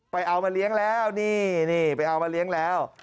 เอามาเลี้ยงแล้วนี่ไปเอามาเลี้ยงแล้ว